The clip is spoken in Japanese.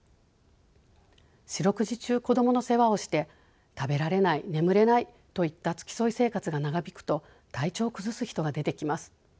四六時中子どもの世話をして食べられない眠れないといった付き添い生活が長引くと体調を崩す人が出てきます。